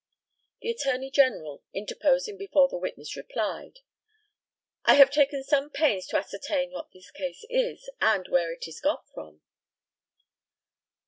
The ATTORNEY GENERAL, interposing before the witness replied: I have taken some pains to ascertain what that case is, and where it is got from.